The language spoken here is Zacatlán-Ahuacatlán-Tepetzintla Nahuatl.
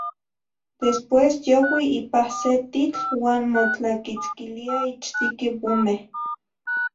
Después youi ipah se titl uan motlaquitzquilia ich siqui bumeh.